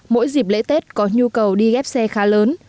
mỗi dịp lễ tết có nhu cầu đi ghép xe khá lớn